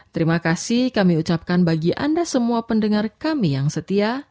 terima kasih kami ucapkan bagi anda semua pendengar kami yang setia